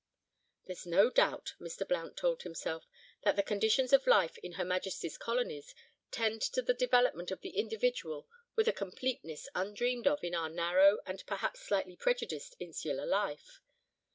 "There's no doubt (Mr. Blount told himself) that the conditions of life in Her Majesty's colonies tend to the development of the individual with a completeness undreamed of in our narrow and perhaps slightly prejudiced insular life.